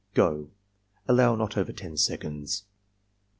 — Go!" (Allow not over 10 seconds.)